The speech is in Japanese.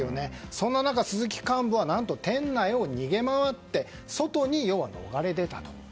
そんな中、鈴木幹部は何と店内を逃げ回って外に逃れ出たと。